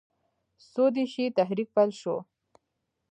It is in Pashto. سودیشي تحریک پیل شو.